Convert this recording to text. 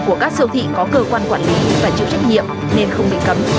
của các siêu thị có cơ quan quản lý phải chịu trách nhiệm nên không bị cấm